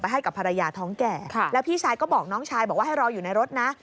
ให้กับภรรยาท้องแก่แล้วพี่ชายก็บอกน้องชายบอกว่าให้รออยู่ในรถนะ